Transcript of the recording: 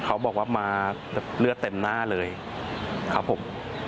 เขาบอกว่ามาเลือดเต็มหน้าเลยครับผม